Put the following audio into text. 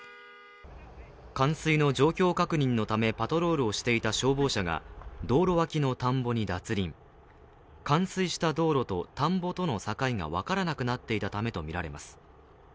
冠水の状況確認のためパトロールをしていた消防車が道路脇の田んぼに脱輪、冠水した道路と田んぼとの境が分からなくなっていたためとみられます。